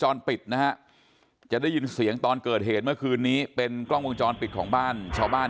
ตรงเลยแต่เรารู้สึกเหมือนกระเด้งออกเลยใช่ไหม